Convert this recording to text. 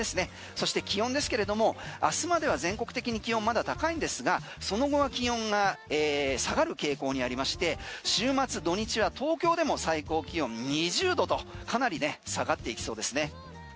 そして気温ですけれども明日までは全国的に気温まだ高いんですがその後は気温が下がる傾向にありまして週末土日は東京でも最高気温２０度とかなり下がっていきそうですね。